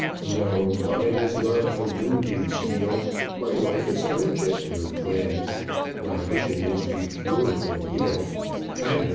"No, mine is not the wounding steel, My life is on a gentler plan; My mission is to cure and heal I'm the Codliver Capsule Man.